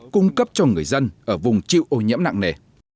cung cấp cho người dân ở vùng chịu ô nhiễm nặng nề